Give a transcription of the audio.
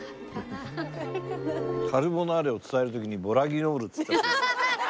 「カルボナーラ」を伝える時に「ボラギノール」って言った。